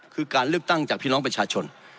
คือการเลือกตั้งจากพี่น้องประชาชน